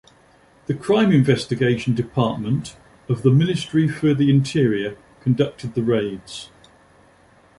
The Crime Investigation Department of the Ministry for the Interior conducted the raids.